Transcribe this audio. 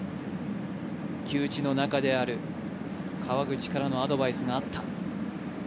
旧知の仲である川口からのアドバイスがあった。